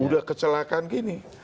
udah kecelakaan gini